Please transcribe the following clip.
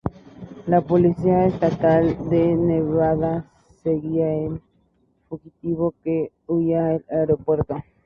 La policía estatal de Nevada seguía el fugitivo, que huía al aeropuerto.